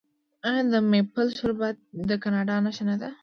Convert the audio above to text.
آیا د میپل شربت د کاناډا نښه نه ده؟